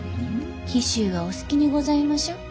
紀州はお好きにございましょう？